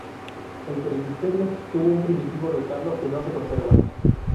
El presbiterio tuvo un primitivo retablo que no se conserva.